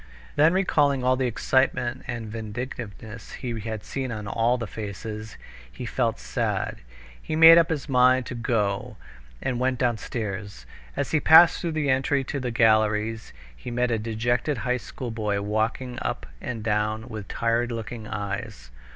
Then recalling all the excitement and vindictiveness he had seen on all the faces, he felt sad; he made up his mind to go, and went downstairs. As he passed through the entry to the galleries he met a dejected high school boy walking up and down with tired looking eyes.